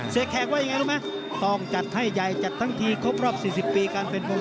แขกว่ายังไงรู้ไหมต้องจัดให้ใหญ่จัดทั้งทีครบรอบ๔๐ปีการเป็นมวย